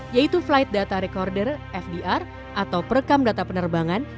yaitu flight data recorder fdr atau perekam data penerbangan